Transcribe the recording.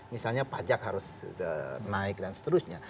misalnya pajak harus naik dan seterusnya